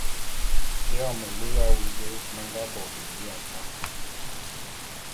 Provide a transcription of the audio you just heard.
Éyon melu ya awu dé me nga bo bébé ya kpwan.